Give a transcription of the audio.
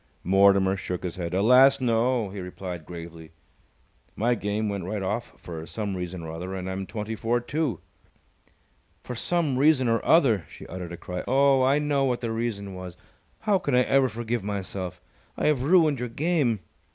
Mortimer shook his head. "Alas, no!" he replied, gravely. "My game went right off for some reason or other, and I'm twenty four, too." "For some reason or other!" She uttered a cry. "Oh, I know what the reason was! How can I ever forgive myself! I have ruined your game!"